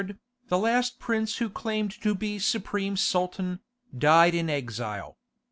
the last prince who claimed to be supreme Sultan, died in exile.